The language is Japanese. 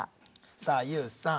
さあＹＯＵさん。